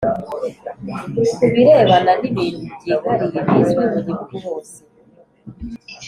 ku birebana n ibintu byihariye bizwi mugihugu hose